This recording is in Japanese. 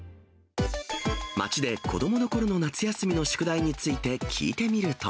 街で子どものころの夏休みの宿題について聞いてみると。